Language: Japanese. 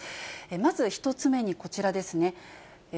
まず１つ目にこちらですね。